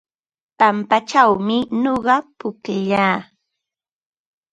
Pampachawmi nuqa pukllaa.